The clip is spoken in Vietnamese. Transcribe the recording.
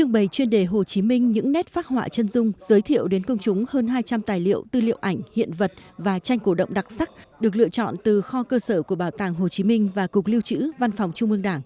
bảo tàng hồ chí minh những nét phát họa chân dung và triển lãm những tấm gương bình dị mà cao quý